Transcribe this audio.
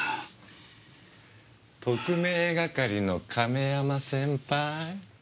特命係の亀山先輩。